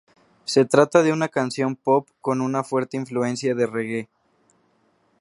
Se trata de una canción pop con una fuerte influencia de "reggae".